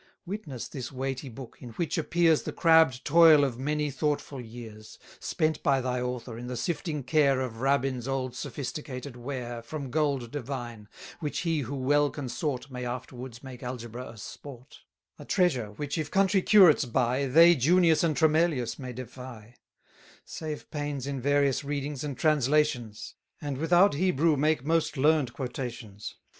Witness this weighty book, in which appears The crabbed toil of many thoughtful years, Spent by thy author, in the sifting care Of Rabbins' old sophisticated ware From gold divine; which he who well can sort May afterwards make algebra a sport: A treasure, which if country curates buy, 240 They Junius and Tremellius may defy; Save pains in various readings, and translations; And without Hebrew make most learn'd quotations.